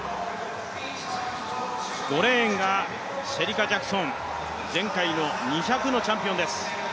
５レーンがシェリカ・ジャクソン、前回の２００のチャンピオンです。